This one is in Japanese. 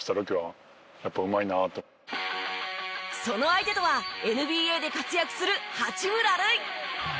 その相手とはＮＢＡで活躍する八村塁。